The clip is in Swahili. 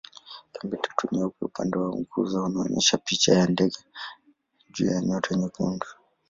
Pembetatu nyeupe upande wa nguzo unaonyesha picha ya ndege juu ya nyota nyekundu.